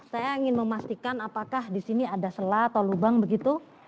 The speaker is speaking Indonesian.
saya ingin memastikan apakah di sini ada selat atau lubang begitu